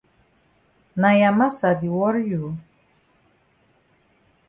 Na ya massa di worry you?